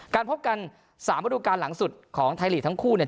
พบกัน๓ระดูการหลังสุดของไทยลีกทั้งคู่เนี่ย